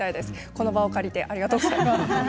この場を借りてありがとうございます。